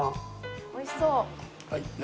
おいしそう。